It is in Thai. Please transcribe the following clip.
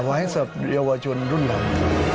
ไว้สำหรับเยาวชนรุ่นหลัง